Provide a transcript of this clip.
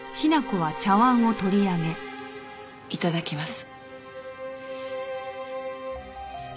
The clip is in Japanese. いただきます。